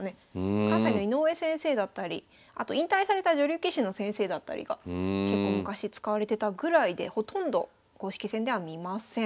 関西の井上先生だったりあと引退された女流棋士の先生だったりが結構昔使われてたぐらいでほとんど公式戦では見ません。